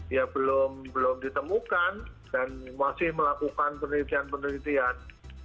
ya belum ditemukan dan masih melakukan penelitian penelitian